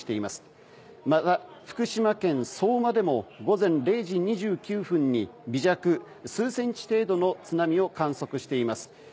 また、福島県相馬でも午前０時２９分に微弱、数センチ程度の津波を観測しています。